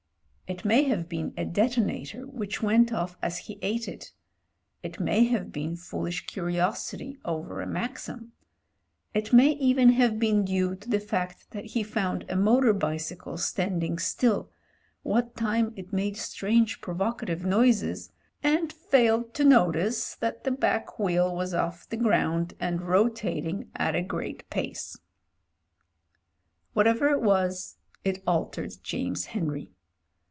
It may have been a detonator which went off as he ate it — ^it may have been foolish curiosity over a maxim — it may even have been due to the fact that he f otmd a motor bicycle standing still, what time it made strange provocative noises, and failed to notice that the back wheel was off the ground and rotating at a great pace. Whatever it was it altered James Henry.